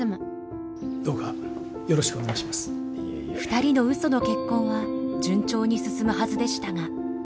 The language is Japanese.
２人の嘘の結婚は順調に進むはずでしたが。